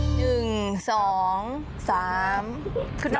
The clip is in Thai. ขอบคุณครับขอบคุณครับ